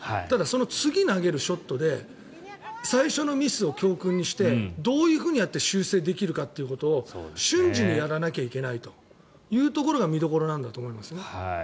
ただ、次投げるショットで最初のミスを教訓にしてどうやって修正できるかということを瞬時にやらなきゃいけないというところが見どころなんだと思いますね。